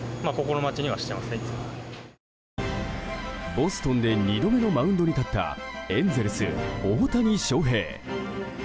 ボストンで２度目のマウンドに立ったエンゼルス、大谷翔平。